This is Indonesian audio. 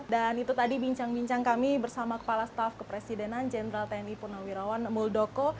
dan itu tadi bincang bincang kami bersama kepala staff kepresidenan jenderal tni purnawirawan muldoko